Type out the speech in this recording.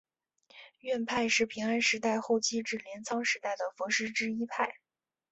院派是平安时代后期至镰仓时代的佛师之一派。